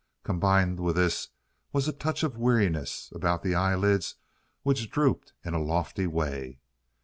Combined with this was a touch of weariness about the eyelids which drooped in a lofty way.